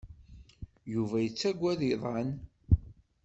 Yuba yettaggad iḍan.